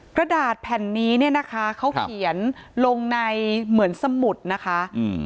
กระดาษแผ่นนี้เนี่ยนะคะเขาเขียนลงในเหมือนสมุดนะคะอืม